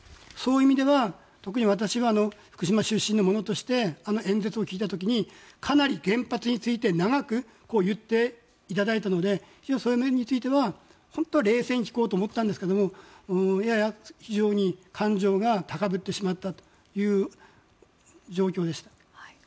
そういう意味では特に私は福島出身の者として演説を聞いた時にかなり原発について長く言っていただいたのでそういう面については本当は冷静に聞こうと思ったんですが非常に感情が高ぶってしまったという状況でした。